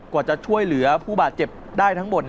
กว่าจะช่วยเหลือผู้บาดเจ็บได้ทั้งหมด